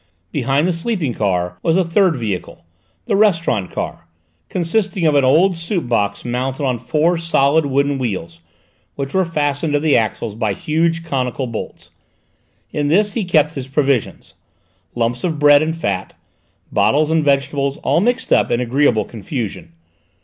Behind the sleeping car was a third vehicle, the restaurant car, consisting of an old soap box mounted on four solid wooden wheels, which were fastened to the axles by huge conical bolts; in this he kept his provisions; lumps of bread and fat, bottles and vegetables, all mixed up in agreeable confusion.